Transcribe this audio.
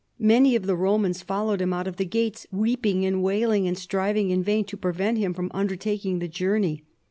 Many of the Romans followed him out of the gates, weeping and wailing, and striv ing in vain to prevent him from undertaking the journey.